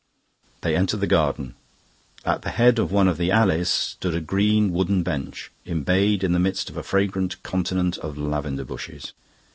They entered the garden; at the head of one of the alleys stood a green wooden bench, embayed in the midst of a fragrant continent of lavender bushes.